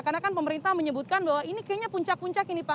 karena kan pemerintah menyebutkan bahwa ini kayaknya puncak puncak ini pak